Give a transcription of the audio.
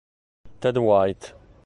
Ted White